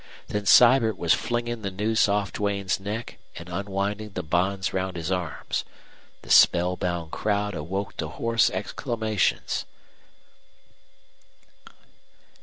Then Sibert was flinging the noose off Duane's neck and unwinding the bonds round his arms. The spellbound crowd awoke to hoarse exclamations.